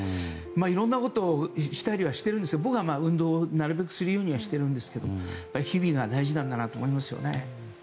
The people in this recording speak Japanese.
いろんなことをしたりしてるんですが僕は運動をなるべくするようにはしていますが日々が大事なんだと思いますね。